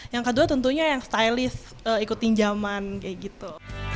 yang kedua tentunya yang stylist ikutin jaman kayak gitu